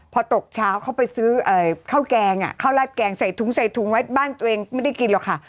พอตกเช้าเขาไปซื้อข้าวแกงข้าวราดแกงใส่ถุงใส่ถุงไว้บ้านตัวเองไม่ได้กินหรอกค่ะ